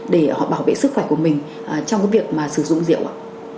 để họ bảo vệ sức khỏe của mình trong cái việc mà sử dụng rượu ạ